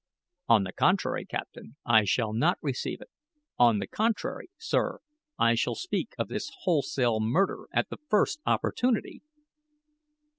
"On the contrary, captain, I shall not receive it. On the contrary, sir, I shall speak of this wholesale murder at the first opportunity!"